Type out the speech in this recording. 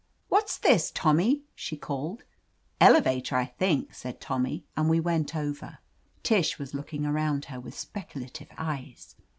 "What's this. Tommy?" she called. "Elevator, I think," said Tommy, and we went over. Tish was looking around her with speculative eyes.